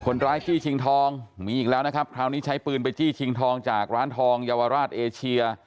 ร้ายจี้ชิงทองมีอีกแล้วนะครับคราวนี้ใช้ปืนไปจี้ชิงทองจากร้านทองเยาวราชเอเชีย